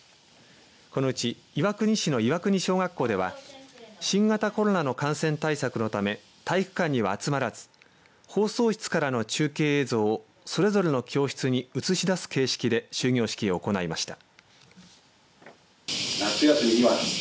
このうち岩国市の岩国小学校では新型コロナの感染対策のため体育館には集まらず放送室からの中継映像をそれぞれの教室に映し出す形式で終業式を行いました。